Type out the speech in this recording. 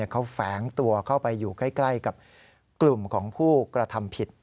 เขาแฝงตัวเข้าไปอยู่ใกล้กับกลุ่มของผู้กระทำผิด